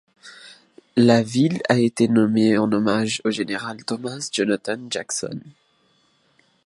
La ville a été nommée en hommage au général Thomas Jonathan Jackson.